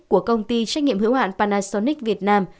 của công ty trách nhiệm hữu hạn panasonic việt nam